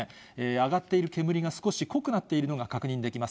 上がっている煙が、少し濃くなっているのが確認できます。